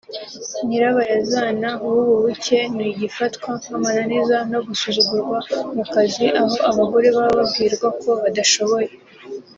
nyirabayazana w’ubu buke ni igifatwa nk’amananiza no gusuzugurwa mu kazi aho abagore baba babwirwa ko badashoboye